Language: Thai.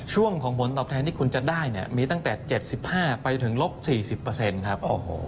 ช่วงของผลตอบแทนที่คุณจะได้เนี่ยมีตั้งแต่๗๕ไปถึงลบ๔๐ครับ